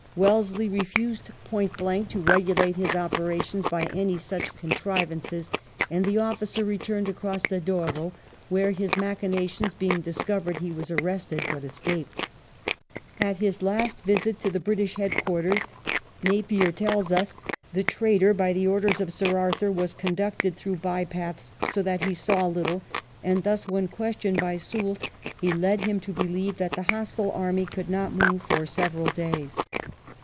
Wellesley refused point blank to regulate his operations by any such contrivances, and the officer returned across the Douro, where, his machinations being discovered, he was arrested but escaped. At his last visit to the British head quarters, Napier tells us, the traitor, by the orders of Sir Arthur, was conducted through by paths, so that he saw little, and thus, when questioned by Soult, he led him to believe that the hostile army could not move for several days.